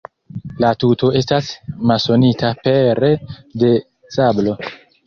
La tuto estas masonita pere de sablo.